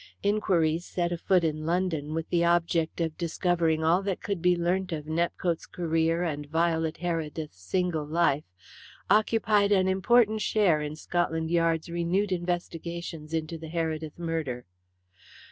Inquiries set afoot in London, with the object of discovering all that could be learnt of Nepcote's career and Violet Heredith's single life, occupied an important share in Scotland Yard's renewed investigations into the Heredith murder.